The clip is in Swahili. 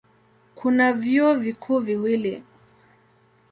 Kuna vyuo vikuu viwili.